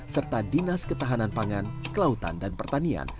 serta dinas ketahanan pangan kelautan dan pertanian